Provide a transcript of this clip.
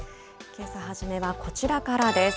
けさ初めはこちらからです。